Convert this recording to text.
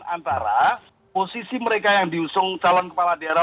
antara posisi mereka yang diusung calon kepala daerah